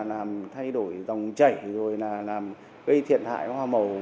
làm thay đổi dòng chảy rồi là làm gây thiệt hại hoa màu